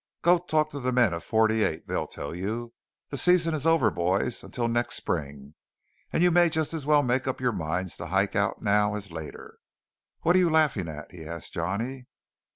Go talk to the men of '48. They'll tell you. The season is over, boys, until next spring; and you may just as well make up your minds to hike out now as later. What are you laughing at?" he asked Johnny.